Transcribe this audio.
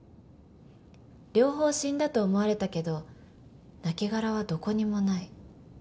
両方死んだと思われたけど亡きがらはどこにもない